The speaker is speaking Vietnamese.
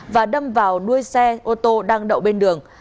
và đâm vào đuôi xe ô tô đang đậu bên đường